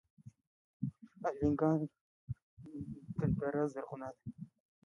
الینګار دره زرغونه ده؟